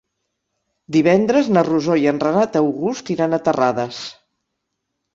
Divendres na Rosó i en Renat August iran a Terrades.